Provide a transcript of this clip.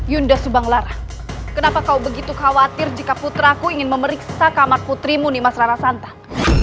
yunda subang lara kenapa kau begitu khawatir jika putraku ingin memeriksa kamar putrimu nih mas rara santa